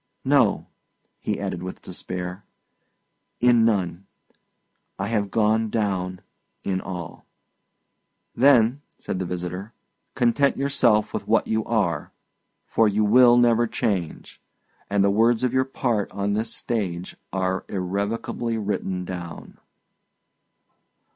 "No," he added, with despair; "in none! I have gone down in all." "Then," said the visitor, "content yourself with what you are, for you will never change; and the words of your part on this stage are irrevocably written down."